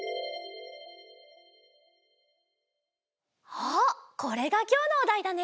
あっこれがきょうのおだいだね？